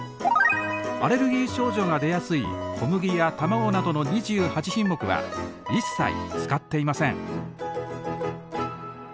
アレルギー症状が出やすい小麦や卵などの２８品目は一切使っていません。